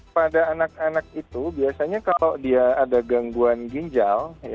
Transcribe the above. pada anak anak itu biasanya kalau dia ada gangguan ginjal